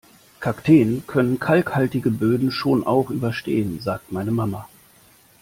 Kakteen können kalkhaltige Böden schon auch überstehen, sagt meine Mama.